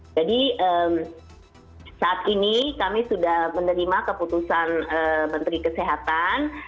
jadi saat ini kami sudah menerima keputusan menteri kesehatan